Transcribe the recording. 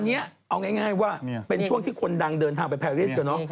อันนี้เอาง่ายว่าเป็นช่วงที่คนดังเดินทางไปแพริส